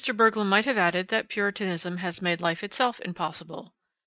Burglum might have added that Puritanism has made life itself impossible.